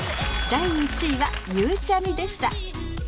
第１位はゆうちゃみでした